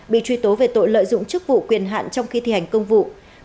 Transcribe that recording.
bị truy tố về tội lợi dụng chức vụ quyền hạn trong khi thi hành công vụ